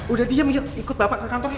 udah diam yuk ikut bapak ke kantor yuk